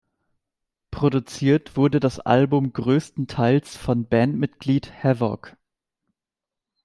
Produziert wurde das Album größtenteils von Bandmitglied Havoc.